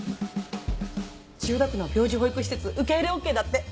千代田区の病児保育施設受け入れＯＫだって。